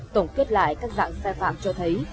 tổng kết lại các dạng sai phạm cho thấy